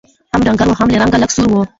هم ډنګر وو هم له رنګه لکه سکور وو